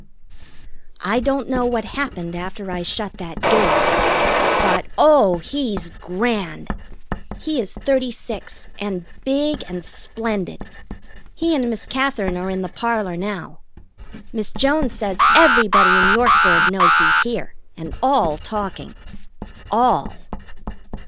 I don't know what happened after I shut that door. But, oh, he's grand! He is thirty six, and big and splendid. He and Miss Katherine are in the parlor now. Miss Jones says everybody in Yorkburg knows he's here, and all talking. All!